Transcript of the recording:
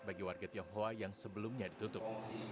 bagi warga tionghoa yang sebelumnya ditutup